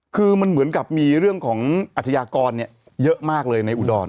คือมันเหมือนกับมีเรื่องของอาชญากรเยอะมากเลยในอุดร